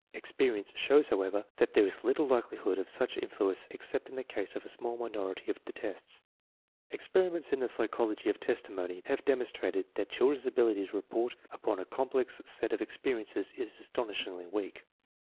Experience shows, however, that there is little likelihood of such influence except in the case of a small minority of the tests. Experiments in the psychology of testimony have demonstrated that children's ability to report upon a com plex set of experiences is astonishingly weak.